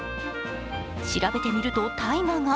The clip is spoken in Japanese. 調べてみると大麻が。